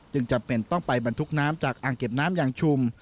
จำเป็นต้องไปบรรทุกน้ำจากอ่างเก็บน้ำอย่างชุม